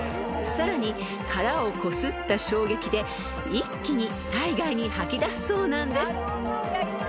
［さらに殻をこすった衝撃で一気に体外に吐き出すそうなんです］